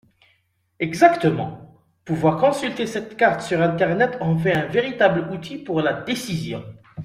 Exactement ! Pouvoir consulter cette carte sur internet en fait un véritable outil pour la décision.